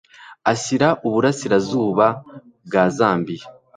ashyira Uburasirazuba bwa Zambia.